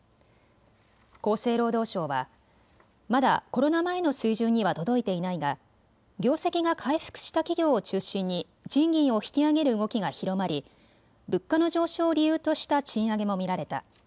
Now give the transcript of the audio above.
厚生労働省はまだコロナ前の水準には届いていないが業績が回復した企業を中心に賃金を引き上げる動きが広まり物価の上昇を理由とした賃上げも見られた。